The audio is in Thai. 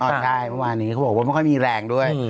ใช่เมื่อวานนี้เขาบอกว่าไม่ค่อยมีแรงด้วย